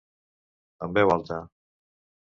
Amb veu alta.